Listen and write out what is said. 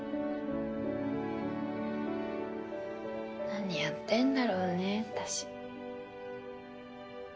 何やってんだろうね私。